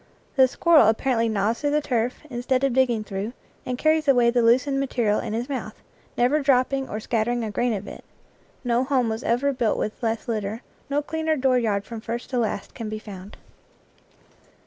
The squirrel ap parently gnaws through the turf, instead of dig ging through, and carries away the loosened mate rial in his mouth, never dropping or scattering a grain of it. No home was ever built with less lit ter, no cleaner dooryard from first to last can be found.